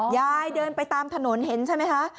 เดินไปตามถนนเห็นใช่ไหมคะ